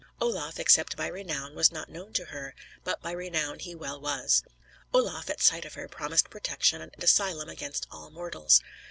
Olaf, except by renown, was not known to her; but by renown he well was. Olaf, at sight of her, promised protection and asylum against all mortals.